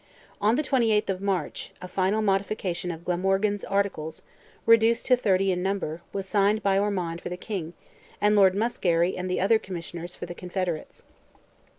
On the 28th of March, a final modification of Glamorgan's articles, reduced to thirty in number, was signed by Ormond for the King, and Lord Muskerry and the other Commissioners for the Confederates.